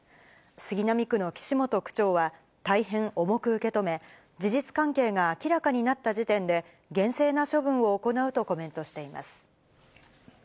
杉並区の岸本区長は、大変重く受け止め、事実関係が明らかになった時点で、厳正な処分を行うとコメントしています。